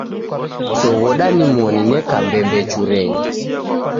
Soghoda nimoni neka mbembechurenyi.